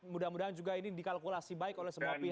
mudah mudahan juga ini dikalkulasi baik oleh semua pihak